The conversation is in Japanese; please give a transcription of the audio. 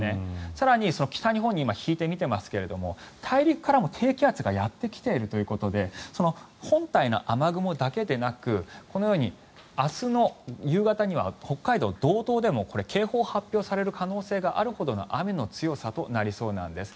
更に北日本に今、引いて見ていますが大陸からも低気圧がやってきているということで本体の雨雲だけでなくこのように明日の夕方には北海道道東でも警報が発表される可能性があるほどの雨の強さとなりそうなんです。